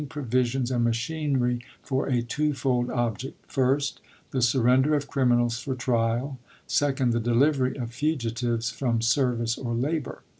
n. provisions and machinery for a twofold object: Act first, the surrender of criminals for trial ; second, b^iSL the delivery of fugitives from service or labor.